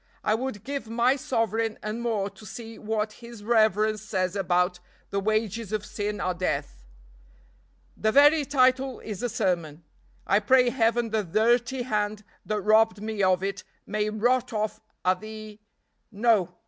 I would give my sovereign and more to see what his reverence says about 'The wages of sin are death.' The very title is a sermon. I pray Heaven the dirty hand that robbed me of it may rot off at the no!